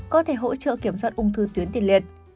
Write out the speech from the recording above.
có thể hỗ trợ kiểm soát ung thư tuyến tiền liệt